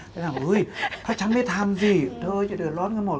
แต่ถามว่าถ้าฉันไม่ทำสิเธอจะเดินร้อนกันหมด